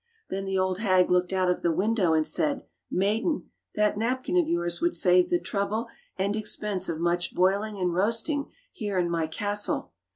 Then the old hag looked out of the window, and said: "Maiden, that napkin of yours would save the trouble and expense of much boiling and roasting here in my castle.